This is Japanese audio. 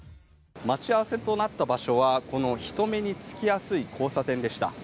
待ち合わせとなった場所はこの人目につきやすい交差点でした。